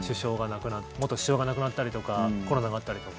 元首相が亡くなったりとかコロナがあったりとか。